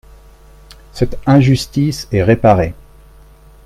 Cette injustice est réparée.